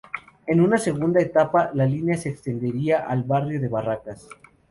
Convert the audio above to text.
En una segunda etapa, la línea se extendería al barrio de Barracas.